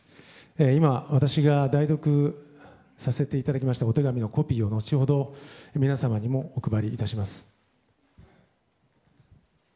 今、私が代読させていただきましたお手紙のコピーを後ほど皆様にもお配りいたします。